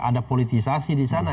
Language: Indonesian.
ada politisasi di sana